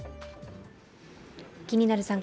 「気になる！